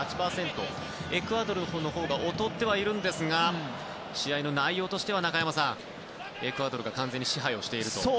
エクアドルのほうが劣ってはいますが試合の内容としては中山さん、エクアドルが完全に支配をしていると。